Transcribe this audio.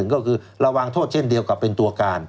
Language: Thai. ก็คือระวังโทษเช่นเดียวกับเป็นตัวการ